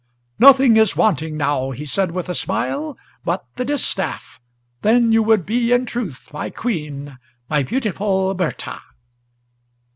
"Nothing is wanting now," he said with a smile, "but the distaff; Then you would be in truth my queen, my beautiful Bertha!"